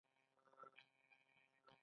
ورزش د خوښې احساس پیدا کوي.